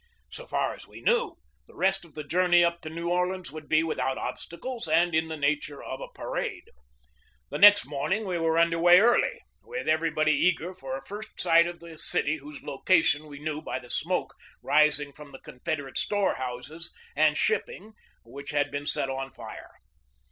So far as we knew, the rest of the journey up to New Orleans would be without obstacles and in the nature of a parade. The next morning we were under way early, with everybody eager for a first sight of the city whose location we knew by the smoke rising from the Confederate storehouses and ship ping which had been set on fire.